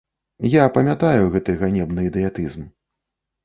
Я памятаю гэты ганебны ідыятызм.